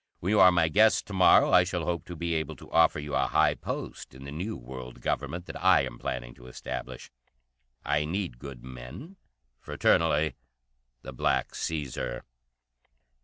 When you are my guest to morrow I shall hope to be able to offer you a high post in the new World Government that I am planning to establish. I need good men. Fraternally, the Black Caesar."